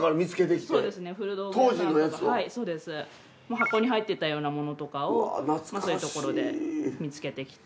箱に入ってたようなものとかをそういうところで見つけてきて。